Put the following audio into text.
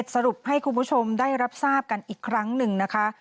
สรุปให้คุณผู้ชมได้รับทราบกันอีกครั้งหนึ่งนะคะ